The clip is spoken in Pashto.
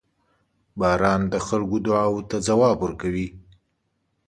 • باران د خلکو دعاوو ته ځواب ورکوي.